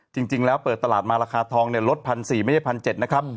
จริงแล้วเปิดตลาดมาราคาทองเนี่ยลดพันสี่ไม่ได้พันเจ็ดนะครับ